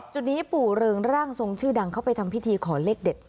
จุดนี้ปู่เริงร่างทรงชื่อดังเข้าไปทำพิธีขอเลขเด็ด